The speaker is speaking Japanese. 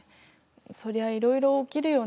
そりゃいろいろ起きるよね。